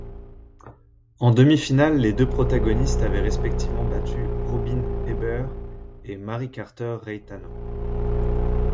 En demi-finale, les deux protagonistes avaient respectivement battu Robyn Ebbern et Mary Carter Reitano.